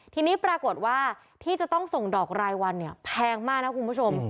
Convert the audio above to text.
ทีนี้ปรากฏว่าที่จะต้องส่งดอกรายวันเนี่ยแพงมากนะคุณผู้ชม